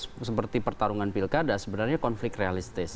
proses proses seperti pertarungan pilkada sebenarnya konflik realistis